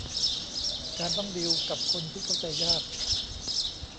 การต้องดีลกับคนที่เข้าใจยาก